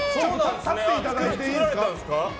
立っていただいていいですか？